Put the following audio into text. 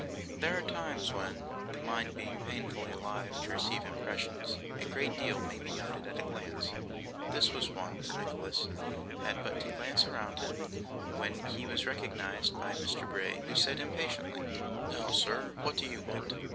There are times when, the mind being painfully alive to receive impressions, a great deal may be noted at a glance. This was one, for Nicholas had but glanced round him when he was recognised by Mr. Bray, who said impatiently: 'Now, sir, what do you want?